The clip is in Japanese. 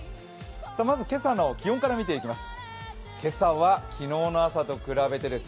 まず今朝の気温から見ていきます。